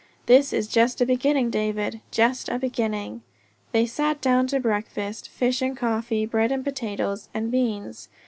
"This is just a beginning, David just a beginning!" They sat down to breakfast, fish and coffee, bread and potatoes and beans.